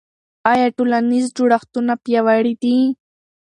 آیا ټولنیز جوړښتونه پیاوړي دي؟